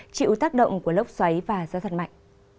chịu tác động của lốc xoáy và gió giật mạnh